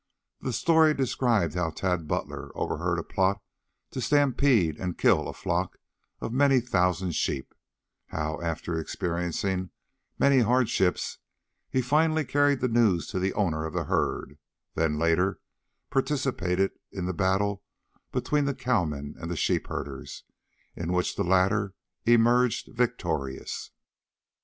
The story described how Tad Butler overheard a plot to stampede and kill a flock of many thousand sheep; how after experiencing many hardships, he finally carried the news to the owner of the herd; then later, participated in the battle between the cowmen and sheep herders, in which the latter emerged victorious.